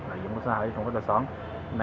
là giống xa hở trong các tòa xóm